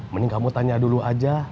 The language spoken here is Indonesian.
mending kamu tanya dulu aja